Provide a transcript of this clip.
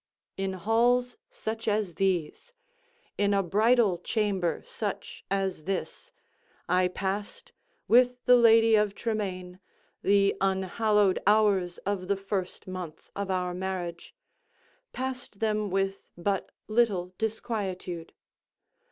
In halls such as these—in a bridal chamber such as this—I passed, with the Lady of Tremaine, the unhallowed hours of the first month of our marriage—passed them with but little disquietude.